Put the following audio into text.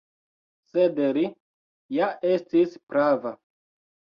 Sed li ja estis prava.